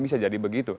bisa jadi begitu